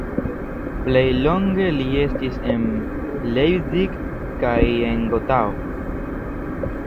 Plej longe li estis en Leipzig kaj en Gotao.